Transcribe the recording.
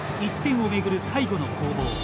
１点をめぐる最後の攻防。